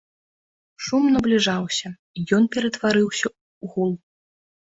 Шум набліжаўся, ён ператварыўся ў гул.